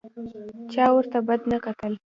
چا ورته بد نه کتل.